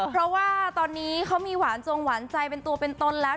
เพราะว่าตอนนี้เขามีหวานจงหวานใจเป็นตัวเป็นตนแล้ว